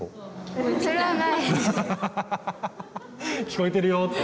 聞こえてるよって。